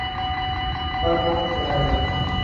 پر کون کرائے گا؟